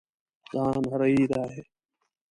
دا نری دی